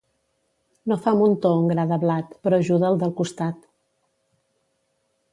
No fa muntó un gra de blat, però ajuda al del costat.